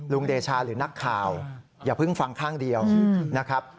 เดชาหรือนักข่าวอย่าเพิ่งฟังข้างเดียวนะครับ